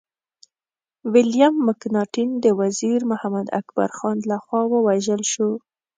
ويليم مکناټن د وزير محمد اکبر خان لخوا ووژل شو.